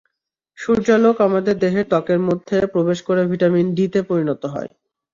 সূর্যালোক আমাদের দেহের ত্বকের মধ্যে প্রবেশ করে ভিটামিন ডি-তে পরিণত হয়।